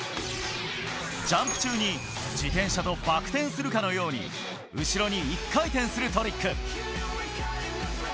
ジャンプ中に自転車とバク転するかのように、後ろに１回転するトリック。